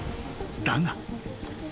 ［だが］